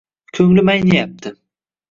Ko'nglim ayniyapti.